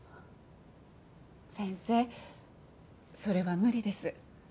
先生それは無理です。